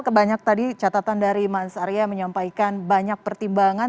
kebanyak tadi catatan dari mas arya menyampaikan banyak pertimbangan